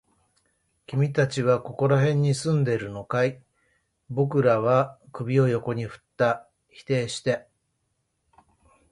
君たちはここら辺に住んでいるのかい？僕らは首を横に振った。否定した。